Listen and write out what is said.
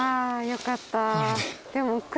よかった。